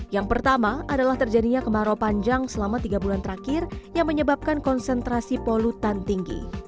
yang pertama adalah terjadinya kemarau panjang selama tiga bulan terakhir yang menyebabkan konsentrasi polutan tinggi